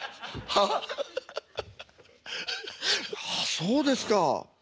そうですか。